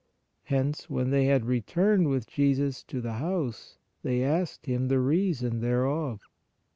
Hence when they had returned with Jesus to the house, they asked Him the reason thereof.